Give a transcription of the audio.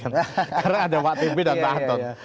karena ada wak tb dan pak aton